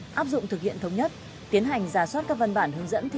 hãy đăng ký kênh để ủng hộ kênh của chúng mình nhé